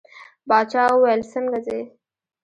باچا وویل څنګه ځې.